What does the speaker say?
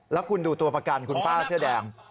แล้วคุณดูตัวประกันคุณป้าเสื้อแดง